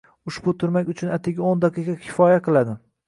Ushbu turmak uchun atigio´ndaqiqa kifoya qiladi